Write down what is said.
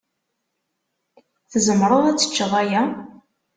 Tzemreḍ ad teččeḍ aya?